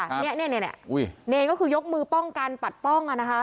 เนี่ยเนี่ยเนี่ยอุ้ยเนรก็คือยกมือป้องกันปัดป้องอ่ะนะคะอ่า